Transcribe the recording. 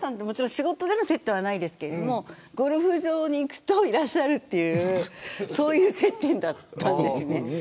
仕事での接点はないですけどゴルフ場に行くといらっしゃるというそういう接点だったんですよね。